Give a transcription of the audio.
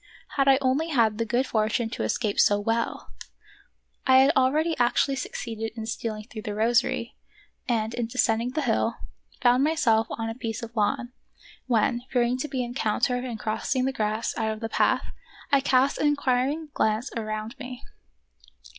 Had I only had the good fortune to escape so well ! I had already actually succeeded in stealing through the rosary, and in descending the hill lo The Wonderful History found myself on a piece of lawn, when, fearing to be encountered in crossing the grass out of the path, I cast an inquiring glance round me.